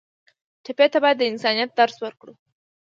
ټپي ته باید د انسانیت درس ورکړو.